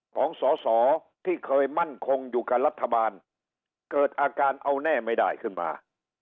ของสอสอที่เคยมั่นคงอยู่กับรัฐบาลเกิดอาการเอาแน่ไม่ได้ขึ้นมา